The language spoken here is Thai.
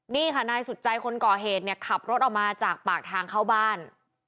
นี่ค่ะนายสุดใจคนก่อเหตุเนี่ยขับรถออกมาจากปากทางเข้าบ้าน